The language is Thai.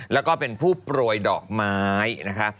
แล้วก็เป็นผู้ปลวยดอกไม้นะครับ